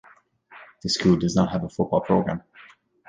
The school does not have a football program.